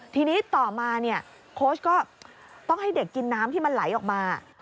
ทีนี้ต่อมาเนี่ยโค้ชก็ต้องให้เด็กกินน้ำที่มันไหลออกมา